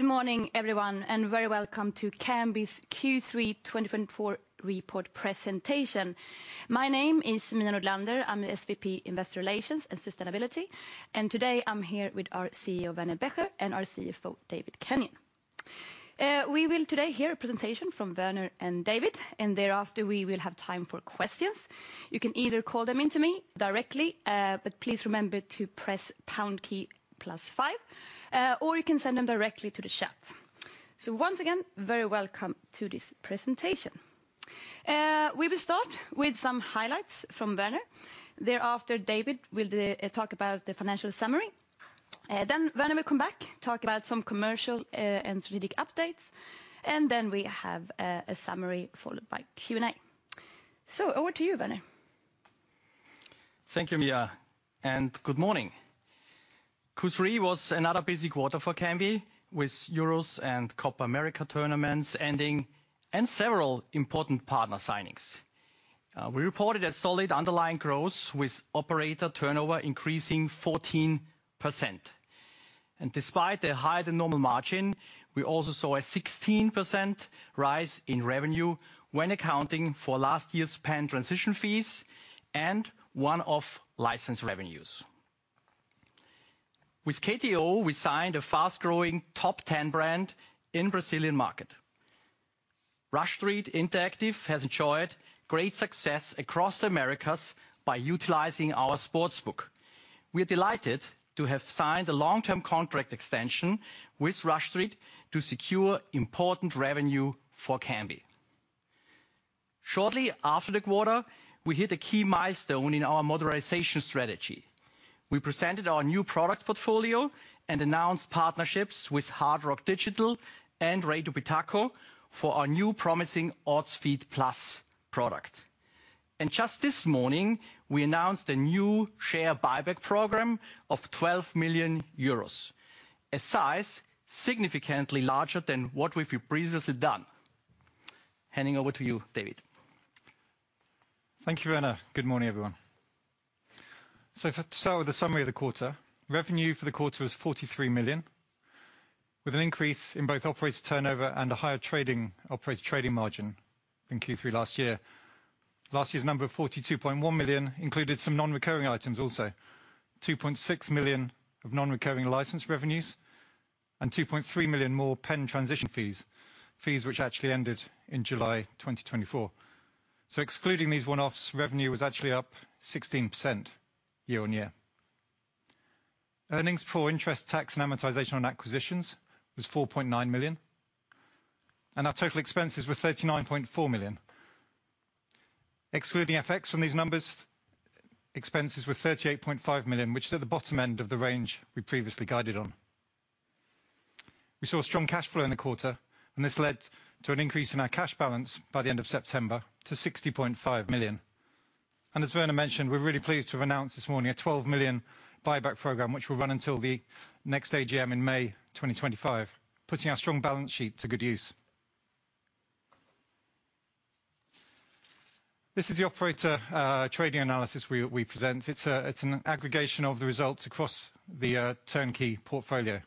Good morning, everyone, and very welcome to Kambi's Q3 2024 report presentation. My name is Mia Nordlander. I'm the SVP Investor Relations and Sustainability. And today I'm here with our CEO, Werner Becher, and our CFO, David Kenyon. We will today hear a presentation from Werner and David, and thereafter we will have time for questions. You can either call them into me directly, but please remember to press pound key plus five, or you can send them directly to the chat. So once again, very welcome to this presentation. We will start with some highlights from Werner. Thereafter, David will talk about the financial summary. Then Werner will come back, talk about some commercial and strategic updates, and then we have a summary followed by Q&A. So over to you, Werner. Thank you, Mia, and good morning. Q3 was another busy quarter for Kambi, with Euros and Copa América tournaments ending, and several important partner signings. We reported a solid underlying growth, with operator turnover increasing 14%. Despite a higher than normal margin, we also saw a 16% rise in revenue when accounting for last year's PENN transition fees and one-off license revenues. With KTO, we signed a fast-growing top 10 brand in the Brazilian market. Rush Street Interactive has enjoyed great success across the Americas by utilizing our sportsbook. We are delighted to have signed a long-term contract extension with Rush Street to secure important revenue for Kambi. Shortly after the quarter, we hit a key milestone in our modernization strategy. We presented our new product portfolio and announced partnerships with Hard Rock Digital and Rei do Pitaco for our new promising Odds Feed+ product. Just this morning, we announced a new share buyback program of 12 million euros, a size significantly larger than what we've previously done. Handing over to you, David. Thank you, Werner. Good morning, everyone. So to start with the summary of the quarter, revenue for the quarter was 43 million, with an increase in both operator turnover and a higher operator trading margin than Q3 last year. Last year's number of 42.1 million included some non-recurring items also, 2.6 million of non-recurring license revenues and 2.3 million more PENN transition fees, fees which actually ended in July 2024. So excluding these one-offs, revenue was actually up 16% year-on-year. Earnings before interest, tax, and amortization on acquisitions was 4.9 million, and our total expenses were 39.4 million. Excluding FX from these numbers, expenses were 38.5 million, which is at the bottom end of the range we previously guided on. We saw strong cash flow in the quarter, and this led to an increase in our cash balance by the end of September to 60.5 million. As Werner mentioned, we're really pleased to have announced this morning a 12 million buyback program, which will run until the next AGM in May 2025, putting our strong balance sheet to good use. This is the operator trading analysis we present. It's an aggregation of the results across the turnkey portfolio,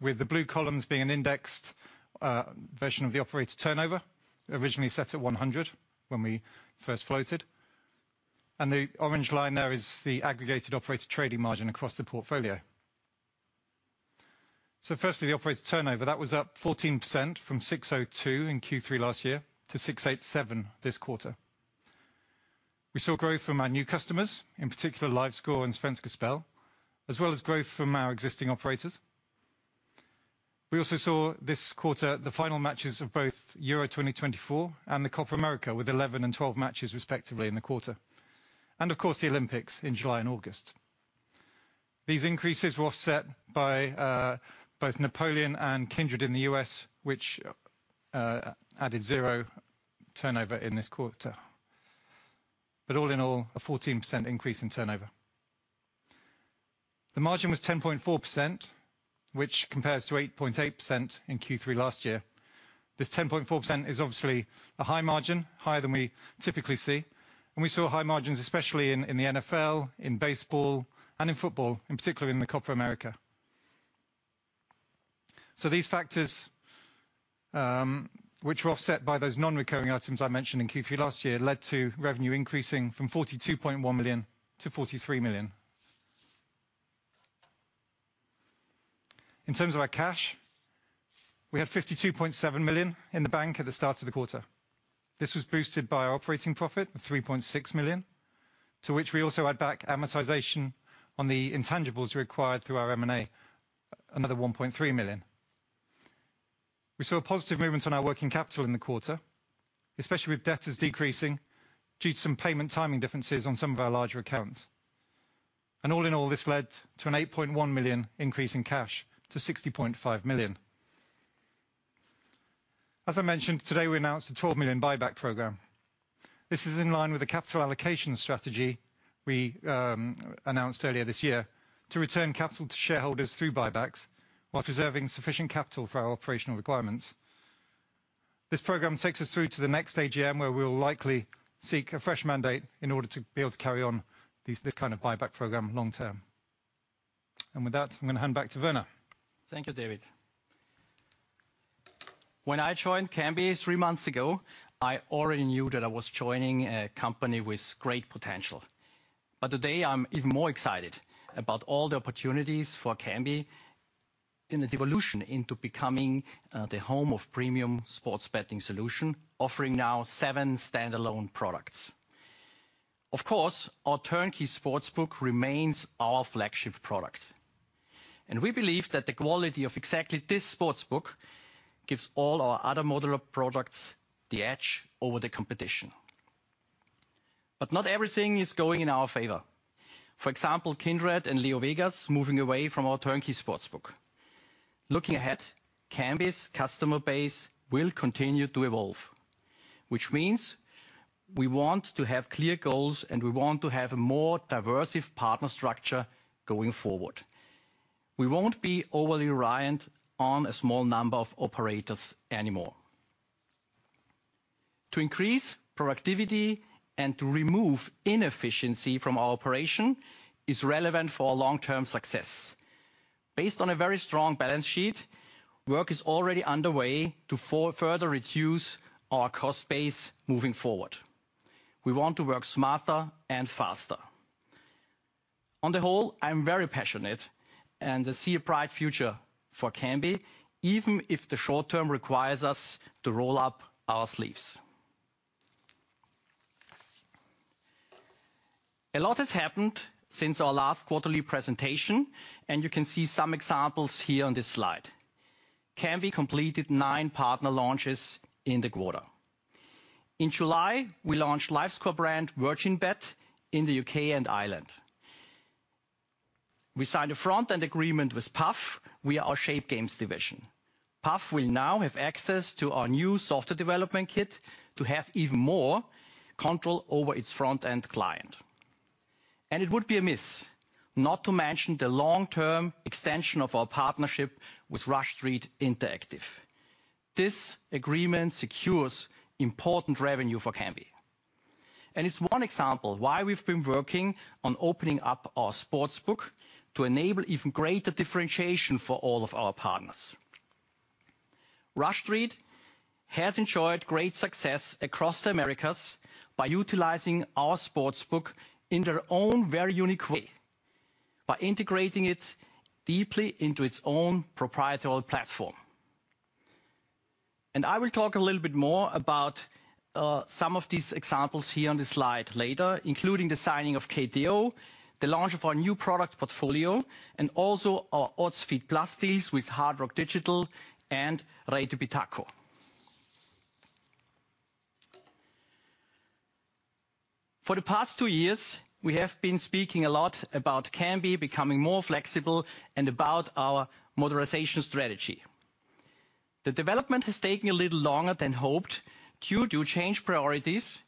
with the blue columns being an indexed version of the operator turnover, originally set at 100 when we first floated. And the orange line there is the aggregated operator trading margin across the portfolio. So firstly, the operator turnover, that was up 14% from 602 in Q3 last year to 687 this quarter. We saw growth from our new customers, in particular LiveScore and Svenska Spel, as well as growth from our existing operators. We also saw this quarter the final matches of both Euro 2024 and the Copa América, with 11 and 12 matches respectively in the quarter, and of course, the Olympics in July and August. These increases were offset by both Napoleon and Kindred in the U.S., which added zero turnover in this quarter, but all in all, a 14% increase in turnover. The margin was 10.4%, which compares to 8.8% in Q3 last year. This 10.4% is obviously a high margin, higher than we typically see, and we saw high margins, especially in the NFL, in baseball, and in football, in particular in the Copa América, so these factors, which were offset by those non-recurring items I mentioned in Q3 last year, led to revenue increasing from 42.1 million to 43 million. In terms of our cash, we had 52.7 million in the bank at the start of the quarter. This was boosted by our operating profit of 3.6 million, to which we also add back amortization on the intangibles required through our M&A, another 1.3 million. We saw a positive movement on our working capital in the quarter, especially with debtors decreasing due to some payment timing differences on some of our larger accounts. All in all, this led to an 8.1 million increase in cash to 60.5 million. As I mentioned, today we announced a 12 million buyback program. This is in line with the capital allocation strategy we announced earlier this year to return capital to shareholders through buybacks while preserving sufficient capital for our operational requirements. This program takes us through to the next AGM, where we'll likely seek a fresh mandate in order to be able to carry on this kind of buyback program long term. With that, I'm going to hand back to Werner. Thank you, David. When I joined Kambi three months ago, I already knew that I was joining a company with great potential. But today I'm even more excited about all the opportunities for Kambi in its evolution into becoming the home of premium sports betting solutions, offering now seven standalone products. Of course, our turnkey sportsbook remains our flagship product. And we believe that the quality of exactly this sportsbook gives all our other modular products the edge over the competition. But not everything is going in our favor. For example, Kindred and LeoVegas moving away from our turnkey sportsbook. Looking ahead, Kambi's customer base will continue to evolve, which means we want to have clear goals and we want to have a more diverse partner structure going forward. We won't be overly reliant on a small number of operators anymore. To increase productivity and to remove inefficiency from our operation is relevant for long-term success. Based on a very strong balance sheet, work is already underway to further reduce our cost base moving forward. We want to work smarter and faster. On the whole, I'm very passionate and I see a bright future for Kambi, even if the short term requires us to roll up our sleeves. A lot has happened since our last quarterly presentation, and you can see some examples here on this slide. Kambi completed nine partner launches in the quarter. In July, we launched LiveScore brand Virgin Bet in the U.K. and Ireland. We signed a front-end agreement with Paf via our Shape Games division. Paf will now have access to our new software development kit to have even more control over its front-end client. And it would be a miss not to mention the long-term extension of our partnership with Rush Street Interactive. This agreement secures important revenue for Kambi. And it's one example of why we've been working on opening up our sportsbook to enable even greater differentiation for all of our partners. Rush Street has enjoyed great success across the Americas by utilizing our sportsbook in their own very unique way, by integrating it deeply into its own proprietary platform. And I will talk a little bit more about some of these examples here on this slide later, including the signing of KTO, the launch of our new product portfolio, and also our Odds Feed+ deals with Hard Rock Digital and Rei do Pitaco. For the past two years, we have been speaking a lot about Kambi becoming more flexible and about our modernization strategy. The development has taken a little longer than hoped due to change priorities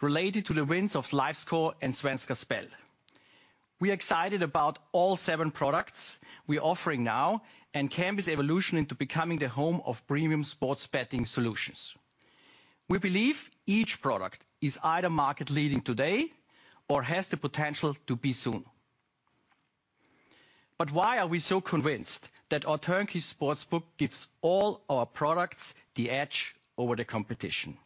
related to the wins of LiveScore and Svenska Spel. We are excited about all seven products we are offering now and Kambi's evolution into becoming the home of premium sports betting solutions. We believe each product is either market-leading today or has the potential to be soon. But why are we so convinced that our turnkey sportsbook gives all our products the edge over the competition?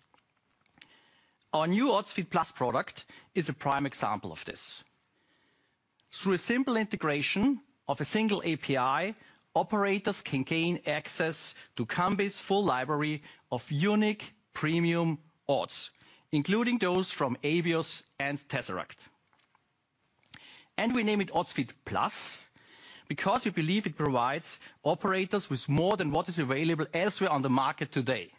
Our new Odds Feed+ product is a prime example of this. Through a simple integration of a single API, operators can gain access to Kambi's full library of unique premium odds, including those from Abios and Tzeract. And we name it Odds Feed+ because we believe it provides operators with more than what is available elsewhere on the market today.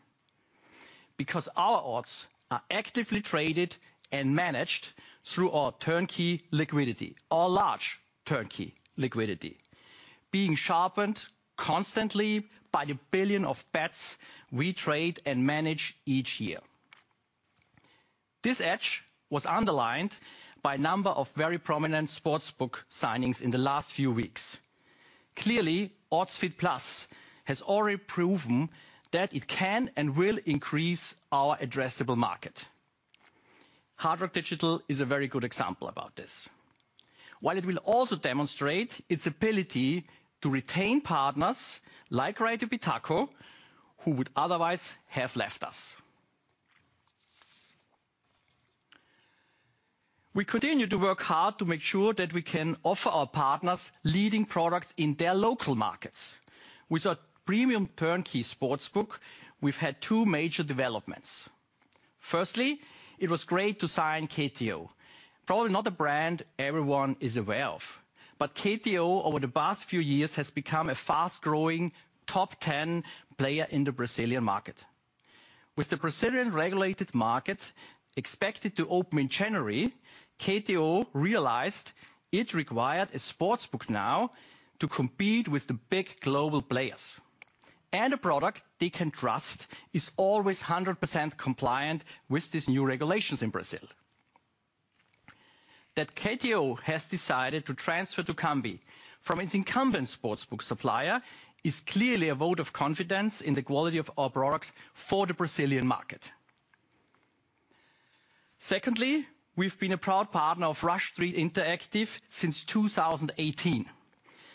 Because our odds are actively traded and managed through our turnkey liquidity, our large turnkey liquidity, being sharpened constantly by the billions of bets we trade and manage each year. This edge was underlined by a number of very prominent sportsbook signings in the last few weeks. Clearly, Odds Feed+ has already proven that it can and will increase our addressable market. Hard Rock Digital is a very good example about this, while it will also demonstrate its ability to retain partners like Rei do Pitaco, who would otherwise have left us. We continue to work hard to make sure that we can offer our partners leading products in their local markets. With our premium turnkey sportsbook, we've had two major developments. Firstly, it was great to sign KTO, probably not a brand everyone is aware of, but KTO over the past few years has become a fast-growing top 10 player in the Brazilian market. With the Brazilian regulated market expected to open in January, KTO realized it required a sportsbook now to compete with the big global players, and a product they can trust is always 100% compliant with these new regulations in Brazil. That KTO has decided to transfer to Kambi from its incumbent sportsbook supplier is clearly a vote of confidence in the quality of our product for the Brazilian market. Secondly, we've been a proud partner of Rush Street Interactive since 2018,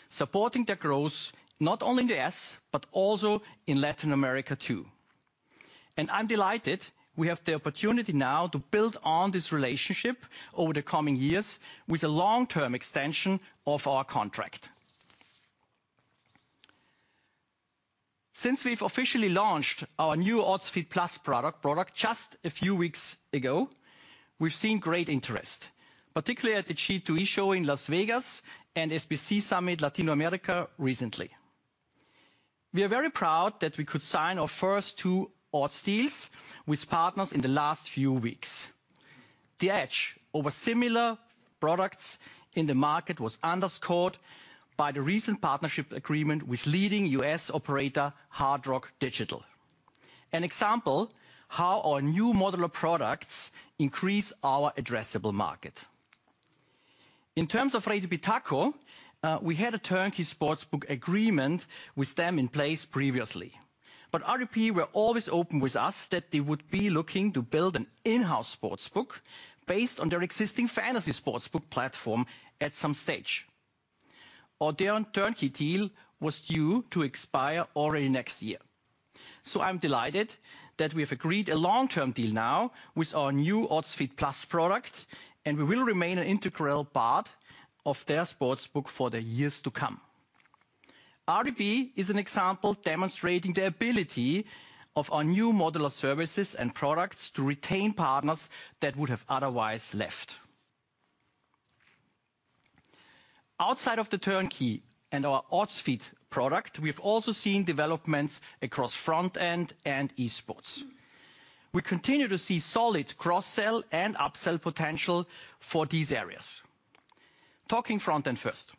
supporting their growth not only in the U.S., but also in Latin America too. I'm delighted we have the opportunity now to build on this relationship over the coming years with a long-term extension of our contract. Since we've officially launched our new Odds Feed+ product just a few weeks ago, we've seen great interest, particularly at the G2E show in Las Vegas and SBC Summit Latin America recently. We are very proud that we could sign our first two odds deals with partners in the last few weeks. The edge over similar products in the market was underscored by the recent partnership agreement with leading US operator Hard Rock Digital, an example of how our new modular products increase our addressable market. In terms of Rei do Pitaco, we had a turnkey sportsbook agreement with them in place previously, but RDP were always open with us that they would be looking to build an in-house sportsbook based on their existing fantasy sportsbook platform at some stage. Our turnkey deal was due to expire already next year. So I'm delighted that we have agreed a long-term deal now with our new Odds Feed+ product, and we will remain an integral part of their sportsbook for the years to come. RDP is an example demonstrating the ability of our new modular services and products to retain partners that would have otherwise left. Outside of the turnkey and our Odds Feed+ product, we have also seen developments across front-end and esports. We continue to see solid cross-sell and upsell potential for these areas. Talking front-end first,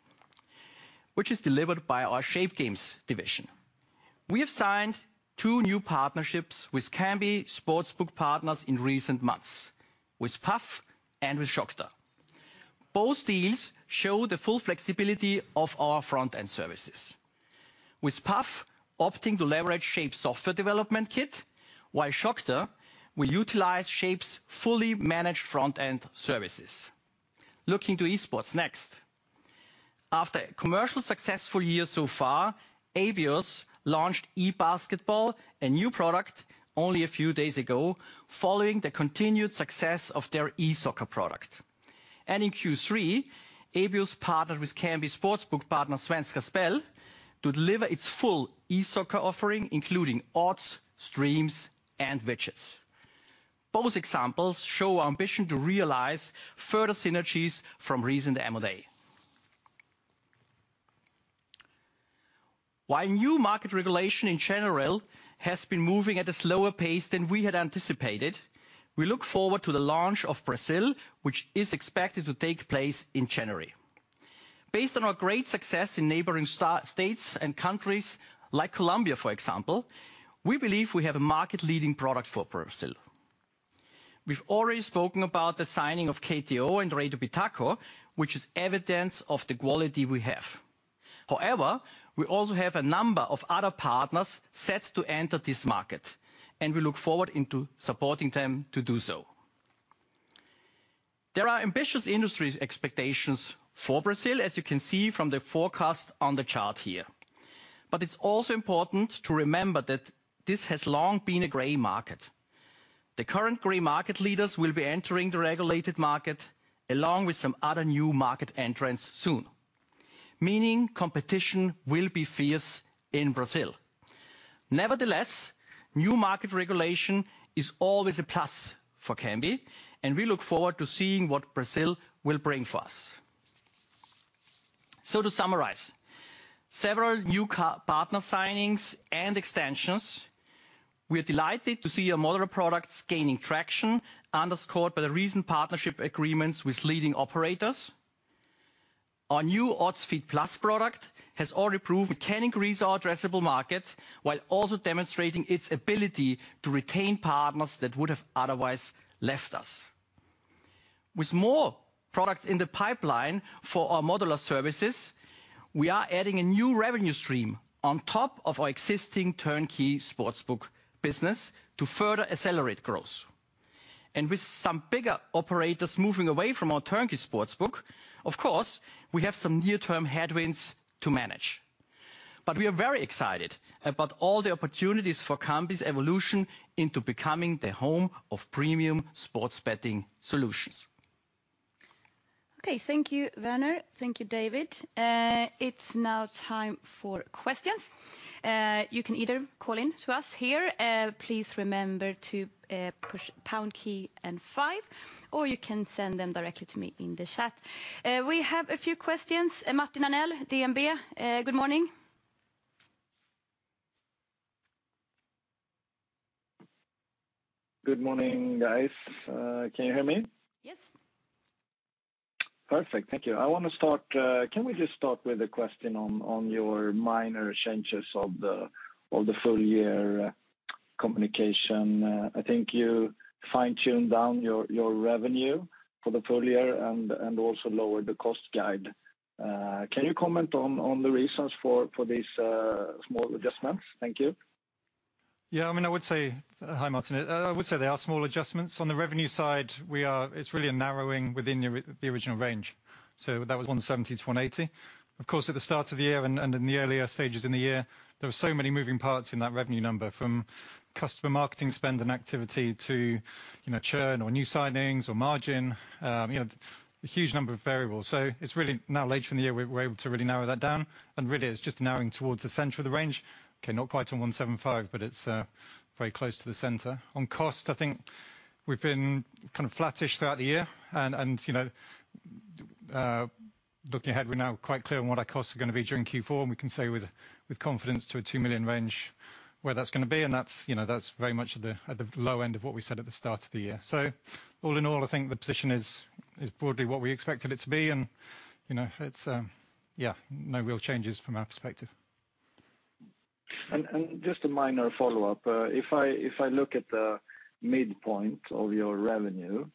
which is delivered by our Shape Games division. We have signed two new partnerships with Kambi sportsbook partners in recent months, with Paf and with Choctaw. Both deals show the full flexibility of our front-end services, with Paf opting to leverage Shape's software development kit, while Choctaw will utilize Shape's fully managed front-end services. Looking to esports next. After a commercially successful year so far, Abios launched eBasketball, a new product only a few days ago, following the continued success of their eSoccer product. In Q3, Abios partnered with Kambi sportsbook partner Svenska Spel to deliver its full eSoccer offering, including odds, streams, and widgets. Both examples show our ambition to realize further synergies from recent M&A. While new market regulation in general has been moving at a slower pace than we had anticipated, we look forward to the launch of Brazil, which is expected to take place in January. Based on our great success in neighboring states and countries like Colombia, for example, we believe we have a market-leading product for Brazil. We've already spoken about the signing of KTO and Rei do Pitaco, which is evidence of the quality we have. However, we also have a number of other partners set to enter this market, and we look forward to supporting them to do so. There are ambitious industry expectations for Brazil, as you can see from the forecast on the chart here. But it's also important to remember that this has long been a gray market. The current gray market leaders will be entering the regulated market along with some other new market entrants soon, meaning competition will be fierce in Brazil. Nevertheless, new market regulation is always a plus for Kambi, and we look forward to seeing what Brazil will bring for us. To summarize, several new partner signings and extensions. We are delighted to see our modular products gaining traction, underscored by the recent partnership agreements with leading operators. Our new Odds Feed+ product has already proved it can increase our addressable market while also demonstrating its ability to retain partners that would have otherwise left us. With more products in the pipeline for our modular services, we are adding a new revenue stream on top of our existing turnkey sportsbook business to further accelerate growth. And with some bigger operators moving away from our turnkey sportsbook, of course, we have some near-term headwinds to manage. But we are very excited about all the opportunities for Kambi's evolution into becoming the home of premium sports betting solutions. Okay, thank you, Werner. Thank you, David. It's now time for questions. You can either call in to us here. Please remember to push pound key and five, or you can send them directly to me in the chat. We have a few questions. Martin Arnell, DNB, good morning. Good morning, guys. Can you hear me? Yes. Perfect. Thank you. I want to start. Can we just start with a question on your minor changes of the full-year communication? I think you fine-tuned down your revenue for the full year and also lowered the cost guide. Can you comment on the reasons for these small adjustments? Thank you. Yeah, I mean, I would say, hi, Martin. I would say there are small adjustments. On the revenue side, it's really a narrowing within the original range. So that was 170-180 million. Of course, at the start of the year and in the earlier stages in the year, there were so many moving parts in that revenue number, from customer marketing spend and activity to churn or new signings or margin, a huge number of variables. So it's really now, late in the year, we're able to really narrow that down. And really, it's just narrowing towards the center of the range. Okay, not quite on 175, but it's very close to the center. On cost, I think we've been kind of flattish throughout the year. And looking ahead, we're now quite clear on what our costs are going to be during Q4. We can say with confidence to a two-million range where that's going to be. And that's very much at the low end of what we said at the start of the year. So all in all, I think the position is broadly what we expected it to be. And yeah, no real changes from our perspective. And just a minor follow-up. If I look at the midpoint of your revenue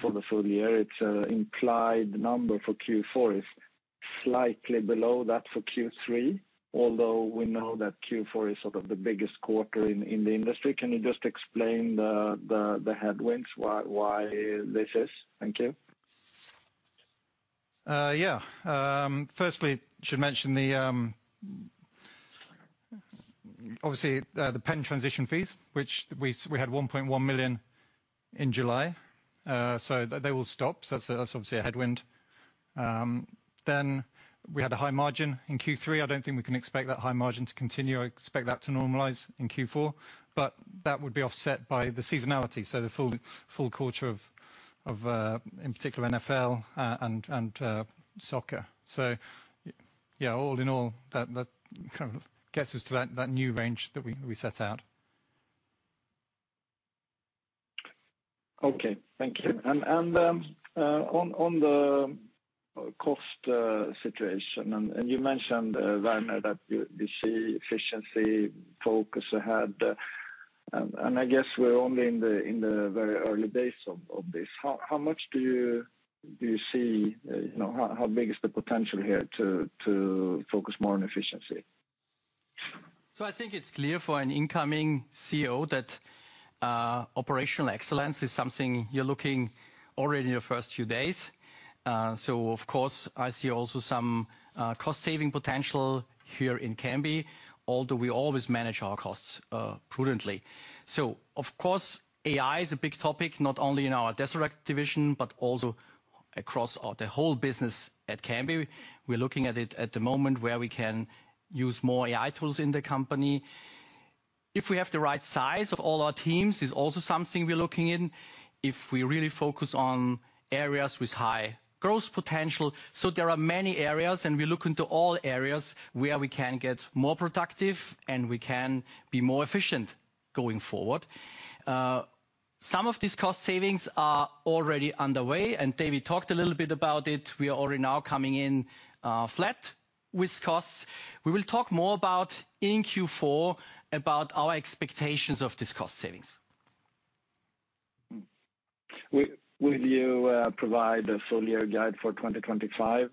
for the full year, it's implied number for Q4 is slightly below that for Q3, although we know that Q4 is sort of the biggest quarter in the industry. Can you just explain the headwinds? Why this is? Thank you. Yeah. Firstly, I should mention the, obviously, the PENN transition fees, which we had 1.1 million in July. So they will stop. So that's obviously a headwind. Then we had a high margin in Q3. I don't think we can expect that high margin to continue. I expect that to normalize in Q4. But that would be offset by the seasonality, so the full quarter of, in particular, NFL and soccer. So yeah, all in all, that kind of gets us to that new range that we set out. Okay, thank you. And on the cost situation, and you mentioned, Werner, that you see efficiency focus ahead. And I guess we're only in the very early days of this. How much do you see? How big is the potential here to focus more on efficiency? So I think it's clear for an incoming CEO that operational excellence is something you're looking at already in the first few days. So of course, I see also some cost-saving potential here in Kambi, although we always manage our costs prudently. So of course, AI is a big topic, not only in our Tzeract division, but also across the whole business at Kambi. We're looking at it at the moment where we can use more AI tools in the company. If we have the right size of all our teams, it's also something we're looking in if we really focus on areas with high growth potential. So there are many areas, and we're looking to all areas where we can get more productive and we can be more efficient going forward. Some of these cost savings are already underway. David talked a little bit about it. We are already now coming in flat with costs. We will talk more about in Q4 about our expectations of these cost savings. Will you provide a full-year guide for 2025?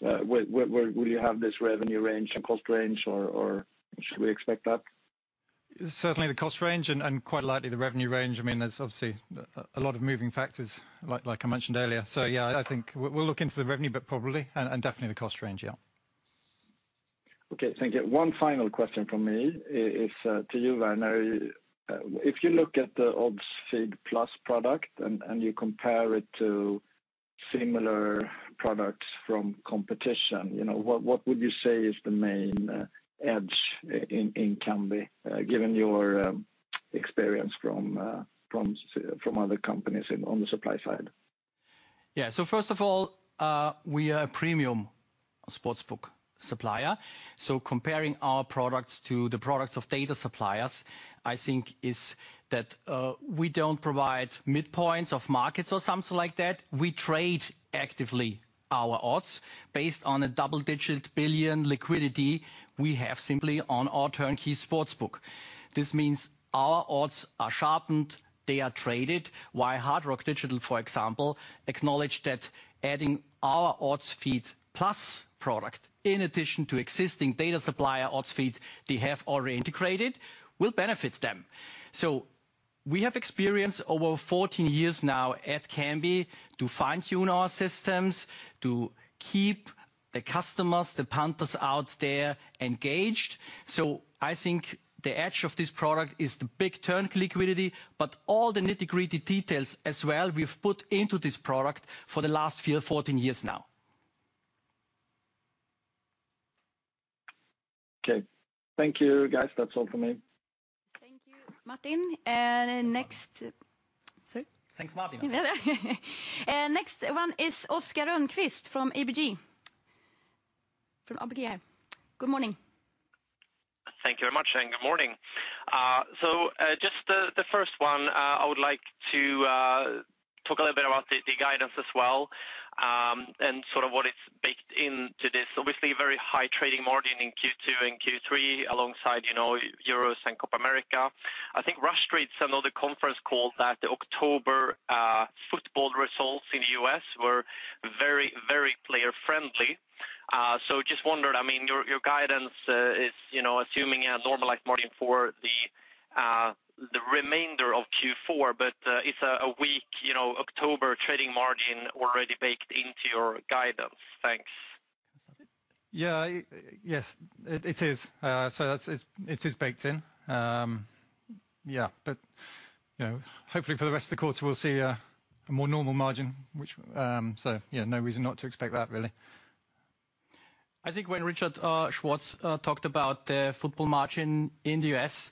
Will you have this revenue range and cost range, or should we expect that? Certainly the cost range and quite likely the revenue range. I mean, there's obviously a lot of moving factors, like I mentioned earlier. So yeah, I think we'll look into the revenue, but probably and definitely the cost range, yeah. Okay, thank you. One final question from me is to you, Werner. If you look at the Odds Feed+ product and you compare it to similar products from competition, what would you say is the main edge in Kambi, given your experience from other companies on the supply side? Yeah, so first of all, we are a premium sportsbook supplier. So comparing our products to the products of data suppliers, I think is that we don't provide midpoints of markets or something like that. We trade actively our odds based on a double-digit billion liquidity we have simply on our turnkey sportsbook. This means our odds are sharpened. They are traded, while Hard Rock Digital, for example, acknowledged that adding our Odds Feed+ product in addition to existing data supplier Odds Feed they have already integrated will benefit them. So we have experience over 14 years now at Kambi to fine-tune our systems, to keep the customers, the punters out there engaged. So I think the edge of this product is the big turnkey liquidity, but all the nitty-gritty details as well we've put into this product for the last 14 years now. Okay, thank you, guys. That's all from me. Thank you, Martin. Next, sorry. Thanks, Martin. Next one is Oscar Rönnkvist from ABG. From ABG, yeah. Good morning. Thank you very much and good morning. So just the first one, I would like to talk a little bit about the guidance as well and sort of what is baked into this. Obviously, very high trading margin in Q2 and Q3 alongside Euros and Copa América. I think Rush Street's and other conference calls called that the October football results in the US were very, very player-friendly. So just wondered, I mean, your guidance is assuming a normalized margin for the remainder of Q4, but it's a weak October trading margin already baked into your guidance. Thanks. Yeah, yes, it is. So it is baked in. Yeah, but hopefully for the rest of the quarter, we'll see a more normal margin, which so yeah, no reason not to expect that, really. I think when Richard Schwartz talked about the football margin in the US,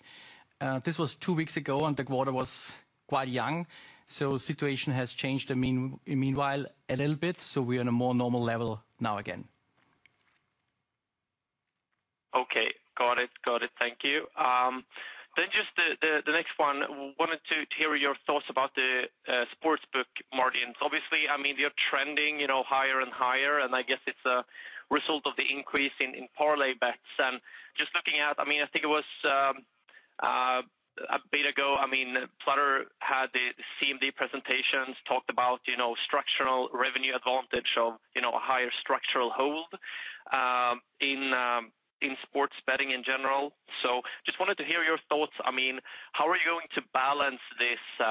this was two weeks ago and the quarter was quite young. So the situation has changed meanwhile a little bit. So we're on a more normal level now again. Okay, got it. Got it. Thank you. Then, just the next one. I wanted to hear your thoughts about the sportsbook margins. Obviously, I mean, they're trending higher and higher, and I guess it's a result of the increase in parlay bets. Just looking at, I mean, I think it was a bit ago, I mean, Flutter had the CMD presentations, talked about structural revenue advantage of a higher structural hold in sports betting in general. So just wanted to hear your thoughts. I mean, how are you going to balance this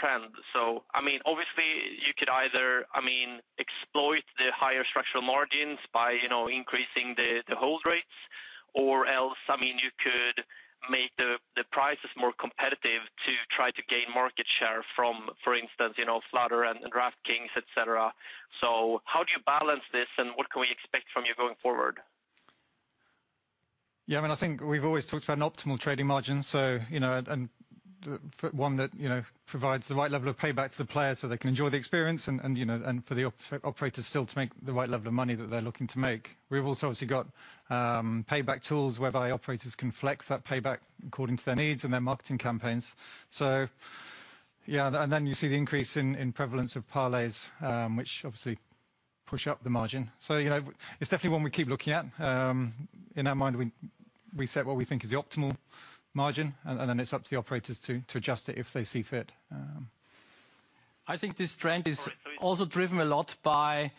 trend? So, I mean, obviously, you could either, I mean, exploit the higher structural margins by increasing the hold rates, or else, I mean, you could make the prices more competitive to try to gain market share from, for instance, Flutter and DraftKings, etc. So how do you balance this and what can we expect from you going forward? Yeah, I mean, I think we've always talked about an optimal trading margin, so one that provides the right level of payback to the players so they can enjoy the experience and for the operators still to make the right level of money that they're looking to make. We've also obviously got payback tools whereby operators can flex that payback according to their needs and their marketing campaigns. So yeah, and then you see the increase in prevalence of parlays, which obviously push up the margin. So it's definitely one we keep looking at. In our mind, we set what we think is the optimal margin, and then it's up to the operators to adjust it if they see fit. I think this trend is also driven a lot by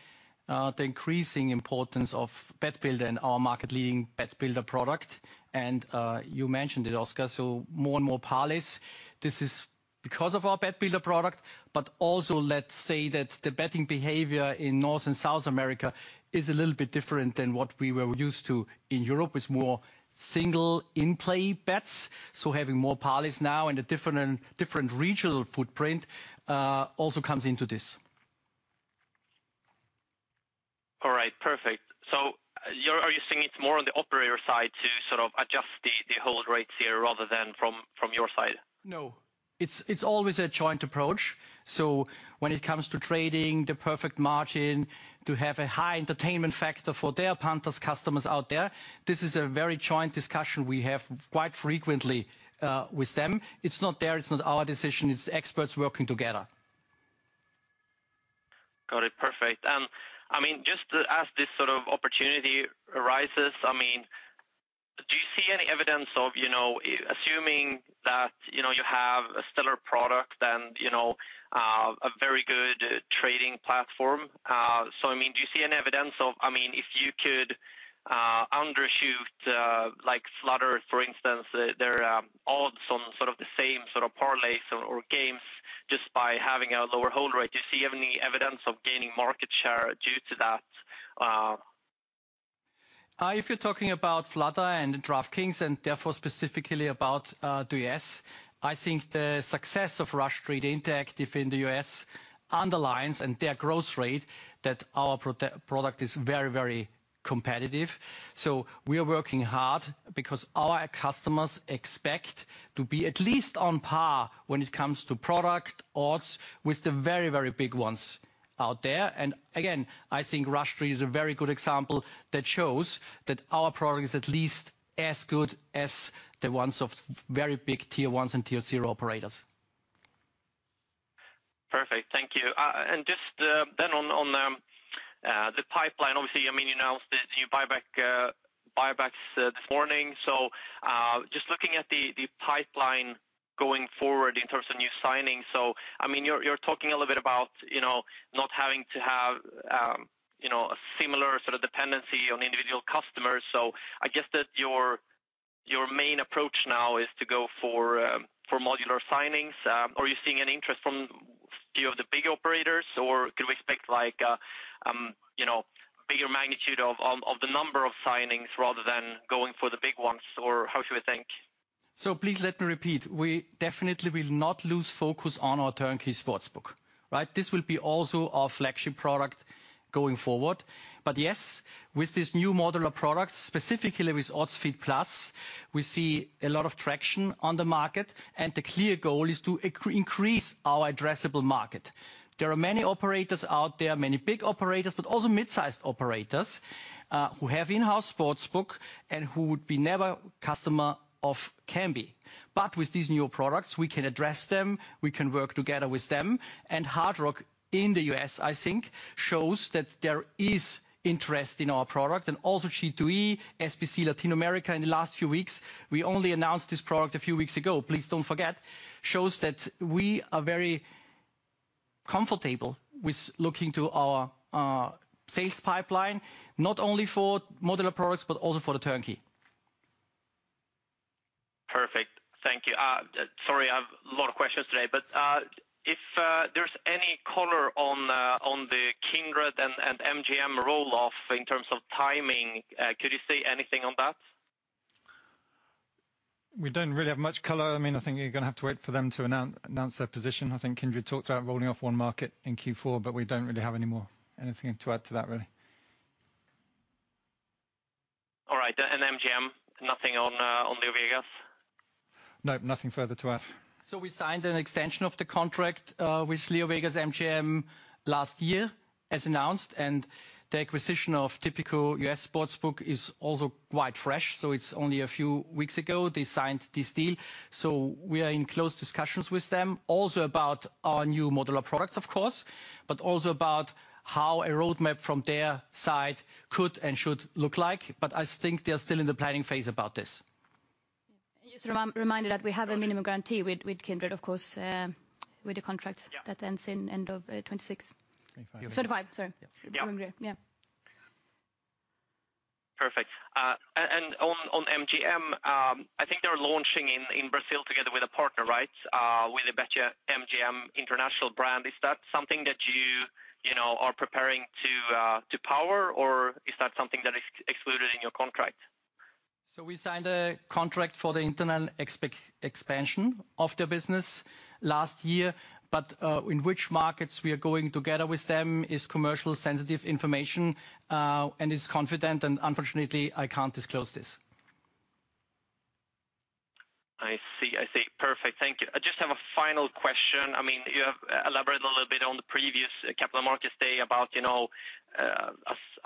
the increasing importance of BetBuilder and our market-leading BetBuilder product. And you mentioned it, Oscar, so more and more parlays. This is because of our BetBuilder product, but also let's say that the betting behavior in North and South America is a little bit different than what we were used to in Europe with more single in-play bets. So having more parlays now and a different regional footprint also comes into this. All right, perfect. So are you seeing it's more on the operator side to sort of adjust the hold rates here rather than from your side? No, it's always a joint approach. So when it comes to trading the perfect margin to have a high entertainment factor for their punters customers out there, this is a very joint discussion we have quite frequently with them. It's not there. It's not our decision. It's experts working together. Got it. Perfect. I mean, just as this sort of opportunity arises, I mean, do you see any evidence of assuming that you have a stellar product and a very good trading platform? I mean, do you see any evidence of, I mean, if you could undershoot Flutter, for instance, their odds on sort of the same sort of parlays or games just by having a lower hold rate, do you see any evidence of gaining market share due to that? If you're talking about Flutter and DraftKings and therefore specifically about the U.S., I think the success of Rush Street Interactive in the U.S. underlines and their growth rate that our product is very, very competitive. We are working hard because our customers expect to be at least on par when it comes to product odds with the very, very big ones out there. And again, I think Rush Street is a very good example that shows that our product is at least as good as the ones of very big tier ones and tier zero operators. Perfect. Thank you. And just then on the pipeline, obviously, I mean, you announced the new buybacks this morning. So just looking at the pipeline going forward in terms of new signings, so I mean, you're talking a little bit about not having to have a similar sort of dependency on individual customers. So I guess that your main approach now is to go for modular signings. Are you seeing any interest from a few of the big operators, or could we expect a bigger magnitude of the number of signings rather than going for the big ones, or how should we think? So please let me repeat. We definitely will not lose focus on our turnkey sportsbook. Right? This will be also our flagship product going forward. But yes, with this new modular product, specifically with Odds Feed+, we see a lot of traction on the market, and the clear goal is to increase our addressable market. There are many operators out there, many big operators, but also mid-sized operators who have in-house sportsbook and who would be never customer of Kambi. But with these new products, we can address them. We can work together with them. And Hard Rock in the US, I think, shows that there is interest in our product. And also G2E, SBC, Latin America in the last few weeks. We only announced this product a few weeks ago. Please don't forget. Shows that we are very comfortable with looking to our sales pipeline, not only for modular products, but also for the turnkey. Perfect. Thank you. Sorry, I have a lot of questions today, but if there's any color on the Kindred and MGM roll-off in terms of timing, could you say anything on that? We don't really have much color. I mean, I think you're going to have to wait for them to announce their position. I think Kindred talked about rolling off one market in Q4, but we don't really have anything to add to that, really. All right. And MGM, nothing on LeoVegas? No, nothing further to add. So we signed an extension of the contract with LeoVegas, MGM last year, as announced, and the acquisition of Tipico U.S. sportsbook is also quite fresh. So it's only a few weeks ago they signed this deal. So we are in close discussions with them, also about our new modular products, of course, but also about how a roadmap from their side could and should look like. But I think they're still in the planning phase about this. Just a reminder that we have a minimum guarantee with Kindred, of course, with the contracts that ends in end of 2026. 2025. 2025, sorry. Yeah. Perfect. And on MGM, I think they're launching in Brazil together with a partner, right, with a BetMGM international brand. Is that something that you are preparing to power, or is that something that is excluded in your contract? So we signed a contract for the internal expansion of their business last year, but in which markets we are going together with them is commercially sensitive information, and it's confidential, and unfortunately, I can't disclose this. I see. I see. Perfect. Thank you. I just have a final question. I mean, you have elaborated a little bit on the previous Capital Markets Day about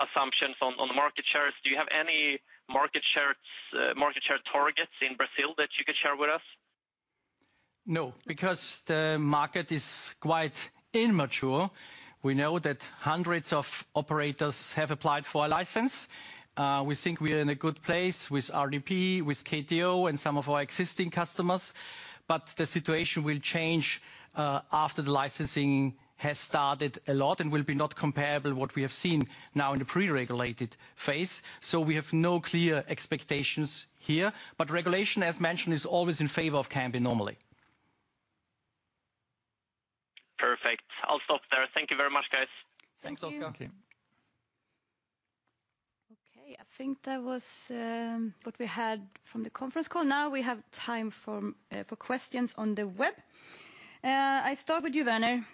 assumptions on the market shares. Do you have any market share targets in Brazil that you could share with us? No, because the market is quite immature. We know that hundreds of operators have applied for a license. We think we are in a good place with RDP, with KTO, and some of our existing customers. But the situation will change after the licensing has started a lot and will be not comparable to what we have seen now in the pre-regulated phase. So we have no clear expectations here. But regulation, as mentioned, is always in favor of Kambi normally. Perfect. I'll stop there. Thank you very much, guys. Thanks, Oscar. Thank you. Okay. I think that was what we had from the conference call. Now we have time for questions on the web. I start with you, Werner.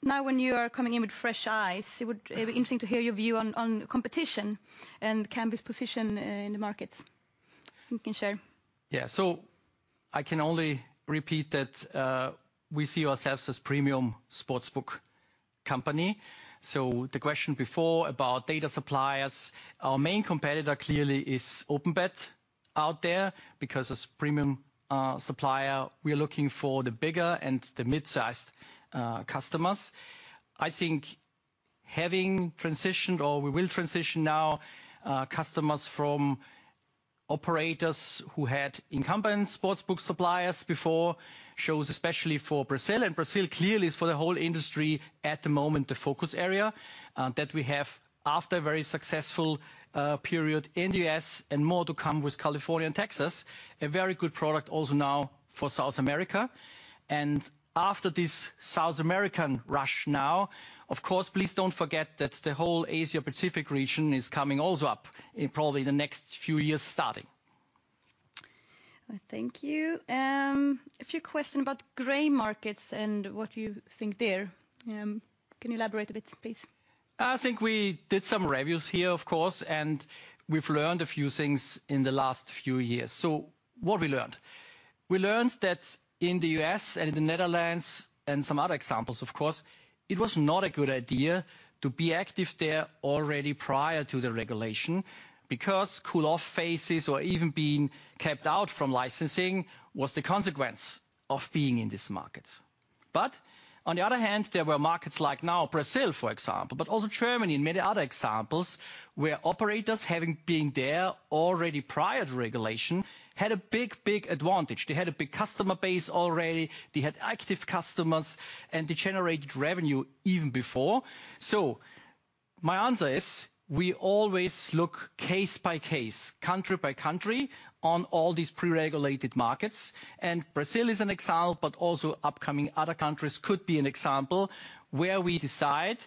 Now, when you are coming in with fresh eyes, it would be interesting to hear your view on competition and Kambi's position in the markets. You can share. Yeah. So I can only repeat that we see ourselves as a premium sportsbook company. So the question before about data suppliers, our main competitor clearly is OpenBet out there because as a premium supplier, we are looking for the bigger and the mid-sized customers. I think having transitioned, or we will transition now, customers from operators who had incumbent sportsbook suppliers before shows especially for Brazil. Brazil clearly is for the whole industry at the moment the focus area that we have after a very successful period in the U.S. and more to come with California and Texas, a very good product also now for South America. After this South American rush now, of course, please don't forget that the whole Asia-Pacific region is coming also up probably in the next few years starting. Thank you. A few questions about gray markets and what you think there. Can you elaborate a bit, please? I think we did some reviews here, of course, and we've learned a few things in the last few years. So what we learned? We learned that in the U.S. and in the Netherlands and some other examples, of course, it was not a good idea to be active there already prior to the regulation because cool-off phases or even being kept out from licensing was the consequence of being in this market. But on the other hand, there were markets like now Brazil, for example, but also Germany and many other examples where operators having been there already prior to regulation had a big, big advantage. They had a big customer base already. They had active customers, and they generated revenue even before. So my answer is we always look case by case, country by country on all these pre-regulated markets. Brazil is an example, but also upcoming other countries could be an example where we decide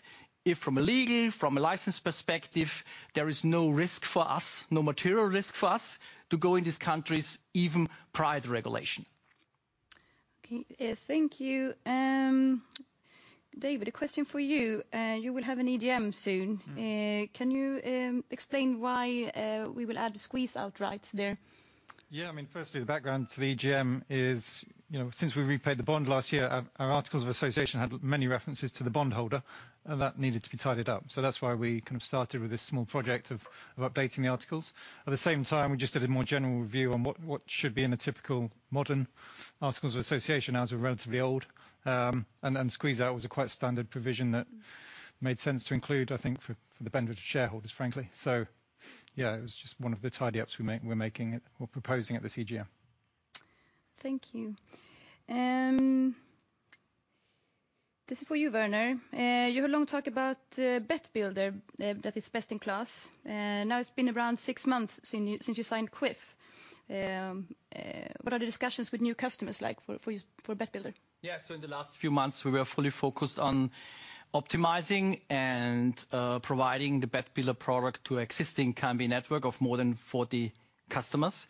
if from a legal, from a license perspective, there is no risk for us, no material risk for us to go in these countries even prior to regulation. Okay. Thank you. David, a question for you. You will have an EGM soon. Can you explain why we will add squeeze-out right there? Yeah. I mean, firstly, the background to the EGM is since we repaid the bond last year, our articles of association had many references to the bondholder, and that needed to be tidied up. So that's why we kind of started with this small project of updating the articles. At the same time, we just did a more general review on what should be in a typical modern articles of association as we're relatively old. Squeeze out was a quite standard provision that made sense to include, I think, for the benefit of shareholders, frankly. So yeah, it was just one of the tidy-ups we're making or proposing at this EGM. Thank you. This is for you, Werner. You have a long talk about BetBuilder that is best in class. Now it's been around six months since you signed Kwiff. What are the discussions with new customers like for BetBuilder? Yeah. So in the last few months, we were fully focused on optimizing and providing the BetBuilder product to an existing Kambi network of more than 40 customers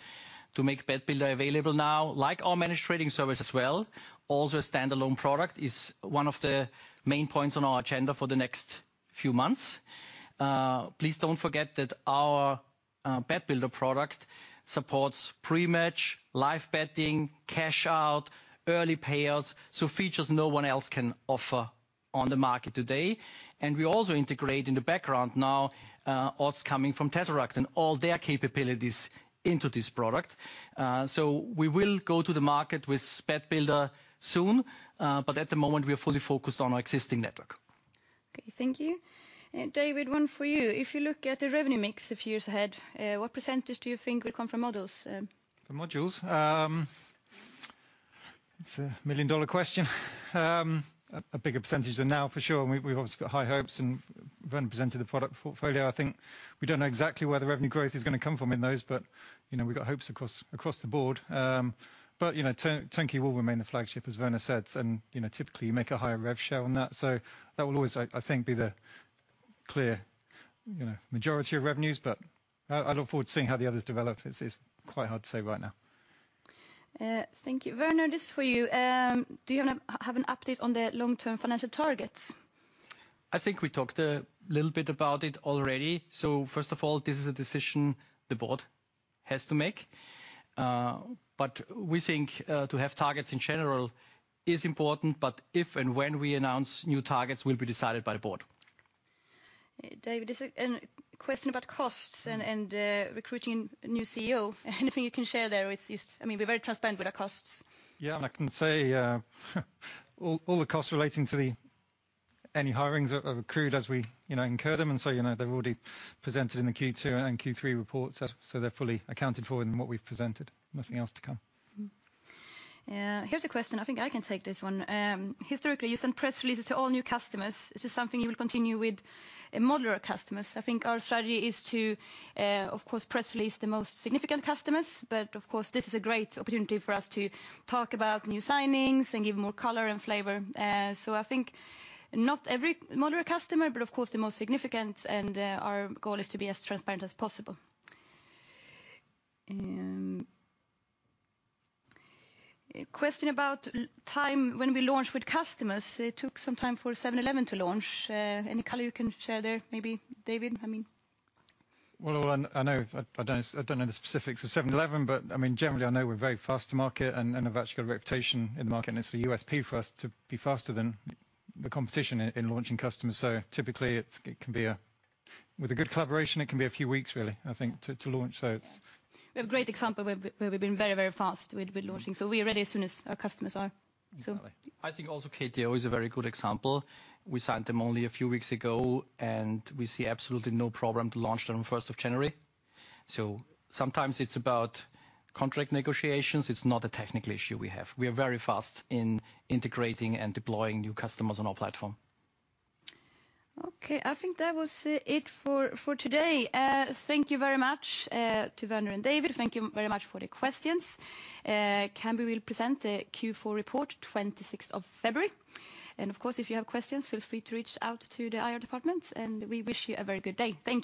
to make BetBuilder available now, like our managed trading service as well. Also, a standalone product is one of the main points on our agenda for the next few months. Please don't forget that our BetBuilder product supports pre-match, live betting, cash-out, early payouts, so features no one else can offer on the market today, and we also integrate in the background now odds coming from Tzeract and all their capabilities into this product, so we will go to the market with BetBuilder soon, but at the moment, we are fully focused on our existing network. Okay. Thank you. David, one for you. If you look at the revenue mix a few years ahead, what percentage do you think will come from models? From modules? It's a million-dollar question. A bigger percentage than now, for sure. We've obviously got high hopes, and Werner presented the product portfolio. I think we don't know exactly where the revenue growth is going to come from in those, but we've got hopes across the board, but Turnkey will remain the flagship, as Werner said. And typically, you make a higher rev share on that. So that will always, I think, be the clear majority of revenues. But I look forward to seeing how the others develop. It's quite hard to say right now. Thank you. Werner, this is for you. Do you have an update on the long-term financial targets? I think we talked a little bit about it already. So first of all, this is a decision the board has to make. But we think to have targets in general is important, but if and when we announce new targets will be decided by the board. David, there's a question about costs and recruiting a new CEO. Anything you can share there? I mean, we're very transparent with our costs. Yeah. And I can say all the costs relating to any hirings are accrued as we incur them. They've already presented in the Q2 and Q3 reports. So they're fully accounted for in what we've presented. Nothing else to come. Here's a question. I think I can take this one. Historically, you sent press-releases to all new customers. Is this something you will continue with modular customers? I think our strategy is to, of course, press-release the most significant customers, but of course, this is a great opportunity for us to talk about new signings and give more color and flavor. So I think not every modular customer, but of course, the most significant, and our goal is to be as transparent as possible. Question about time when we launched with customers. It took some time for 711 to launch. Any color you can share there? Maybe David, I mean. Well, I know. I don't know the specifics of 711, but I mean, generally, I know we're very fast to market, and I've actually got a reputation in the market, and it's the USP for us to be faster than the competition in launching customers. So typically, with a good collaboration, it can be a few weeks, really, I think, to launch. We have a great example where we've been very, very fast with launching. So we are ready as soon as our customers are. I think also KTO is a very good example. We signed them only a few weeks ago, and we see absolutely no problem to launch them on 1st of January. So sometimes it's about contract negotiations. It's not a technical issue we have. We are very fast in integrating and deploying new customers on our platform. Okay. I think that was it for today. Thank you very much to Werner and David. Thank you very much for the questions. Kambi will present the Q4 report 26th of February, and of course, if you have questions, feel free to reach out to the IR department, and we wish you a very good day. Thank you.